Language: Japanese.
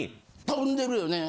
飛んでるよね。